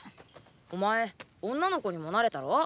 お前女の子にもなれたろ。